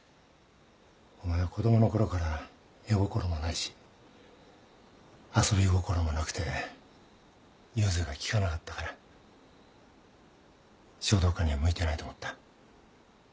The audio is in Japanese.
お前は子供のころから絵心もないし遊び心もなくて融通が利かなかったから書道家には向いてないと思った。